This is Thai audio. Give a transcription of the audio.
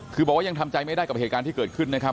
คือบอกว่ายังทำใจไม่ได้กับเหตุการณ์ที่เกิดขึ้นนะครับ